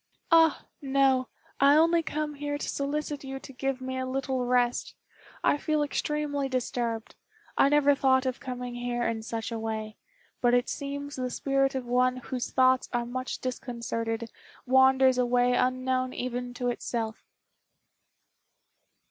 "Ah! no. I only come here to solicit you to give me a little rest. I feel extremely disturbed. I never thought of coming here in such a way; but it seems the spirit of one whose thoughts are much disconcerted wanders away unknown even to itself.